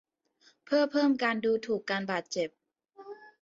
เพื่อเพิ่มการดูถูกการบาดเจ็บ